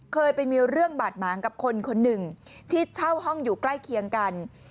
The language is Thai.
เคยไปมีเรื่องบาดหมางกับคนคนหนึ่งที่เช่าห้องอยู่ใกล้เคียงกัน